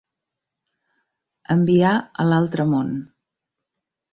Enviar a l'altre món.